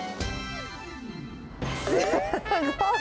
すごい。